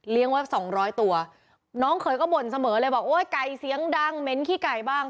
ไว้สองร้อยตัวน้องเขยก็บ่นเสมอเลยบอกโอ้ยไก่เสียงดังเหม็นขี้ไก่บ้าง